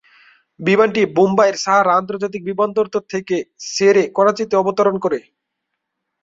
বিমানটি মুম্বাইয়ের সাহার আন্তর্জাতিক বিমানবন্দর থেকে ছেড়ে করাচিতে অবতরণ করে।